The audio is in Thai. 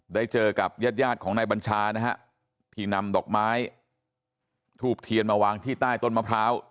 ได้เจอกับญาติยาดของนายบัญชานะฮะที่นำดอกไม้ทูบเทียนมาวางที่ใต้ต้นมะพร้าว